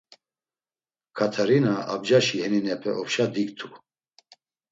Katerina Abcaşi heninepe opşa diktu.